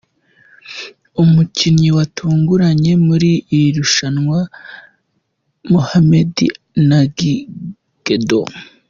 Umukinnyi watunguranye muri iri rushanwa : Mohammed Nagy "Gedo" .